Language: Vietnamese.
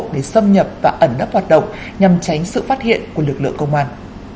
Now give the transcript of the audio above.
để xâm nhập và ẩn nấp hoạt động nhằm tránh sự phát hiện của lực lượng công an